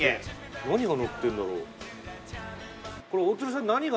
何がのってんだろう？